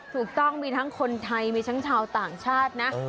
ถูกต้องมีทั้งคนไทยมีทั้งชาวต่างชาตินะ